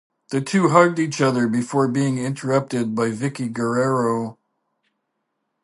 The two hugged each other before being interrupted by Vickie Guerrero.